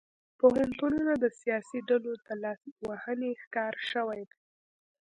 پوهنتونونه د سیاسي ډلو د لاسوهنې ښکار شوي دي